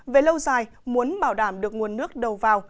về lâu dài muốn bảo đảm được nguồn nước đầu vào